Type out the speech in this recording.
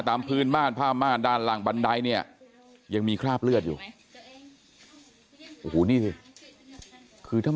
ตามพื้นมาด้านหลังบันไดเนี่ยยังมีคราบเลือดอยู่โอ้นี่คือถ้า